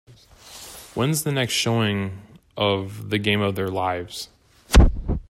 Whens the next showing of The Game of Their Lives